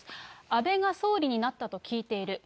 安倍が総理になったと聞いている。